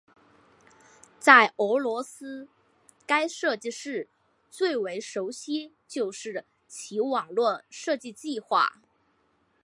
在俄罗斯该设计室最为人熟悉就是其网站设计计划。